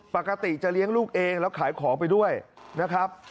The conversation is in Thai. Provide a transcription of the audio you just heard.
ปกติจะเลี้ยงลูกเองแล้วขายของไปด้วยนะครับ